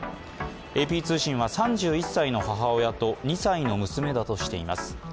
ＡＰ通信は３１歳の母親と２歳の娘だとしています。